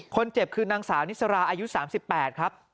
คนเจ็บคือนางสาวนิสราอายุ๓๘ครับ